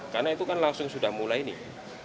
karena itu kan langsung sudah mulai nih